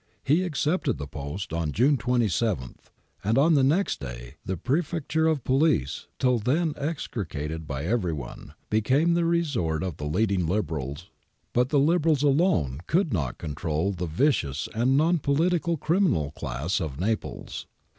He accepted the post on June 27, and on the next day the Prefecture of Police, till then execrated by every one, became the resort of the leading Liberals. But the Liberals alone could not control the vicious and non political criminal class of Naples.